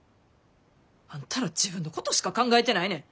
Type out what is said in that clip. あんたら自分のことしか考えてないねん。